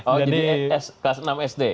oh jadi kelas enam sd